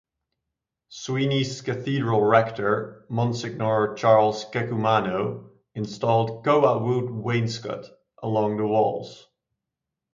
Sweeney's cathedral rector, Monsignor Charles Kekumano, installed koa wood wainscot along the walls.